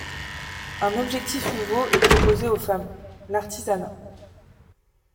Un objectif nouveau est proposé aux femmes: l'artisanat.